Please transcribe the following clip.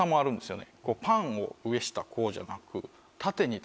パンを上下こうじゃなく。